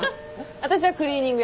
私はクリーニング屋。